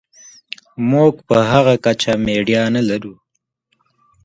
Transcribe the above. موږ په هغه کچه میډیا نلرو.